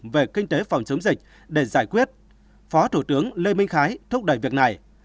về kinh tế phòng chống dịch để giải quyết phó thủ tướng lê minh khái thúc đẩy việc này